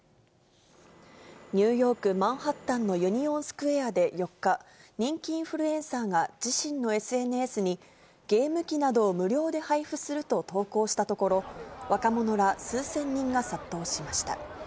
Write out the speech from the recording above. ニューヨーク・マンハッタンのユニオンスクエアで４日、人気インフルエンサーが自身のＳＮＳに、ゲーム機などを無料で配布すると投稿したところ、若者ら数千人が殺到しました。